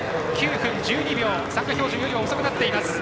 ９分１２秒、参加標準よりは遅くなっています。